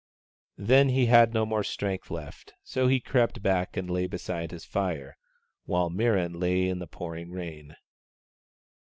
Then he had no more strength left, so he crept back and lay beside his fire, while Mirran lay in the pouring rain.